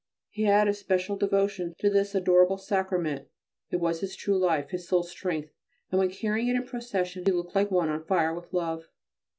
He had a special devotion to this adorable Sacrament. It was his true life, his sole strength, and when carrying it in Procession he looked like one on fire with love.